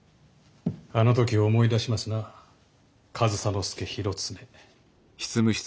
あの時を思い出しますな上総介広常。